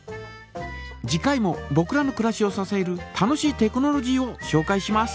次回もぼくらのくらしをささえる楽しいテクノロジーをしょうかいします。